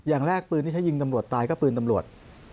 อย่างแรกปืนที่ใช้ยิงตำรวจตายก็ปืนตำรวจ